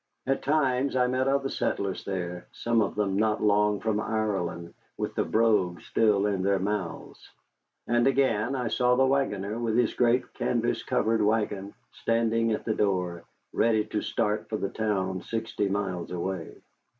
At times I met other settlers there, some of them not long from Ireland, with the brogue still in their mouths. And again, I saw the wagoner with his great canvas covered wagon standing at the door, ready to start for the town sixty miles away.